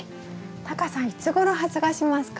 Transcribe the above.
タカさんいつごろ発芽しますか？